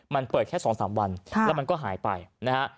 มันเปิดแค่๒๓วันแล้วมันก็หายไปนะฮะ